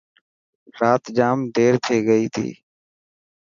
رات جام دير ٿي گئي تي.